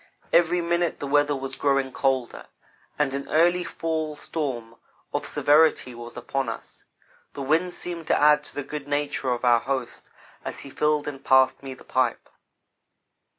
Every minute the weather was growing colder, and an early fall storm of severity was upon us. The wind seemed to add to the good nature of our host as he filled and passed me the pipe.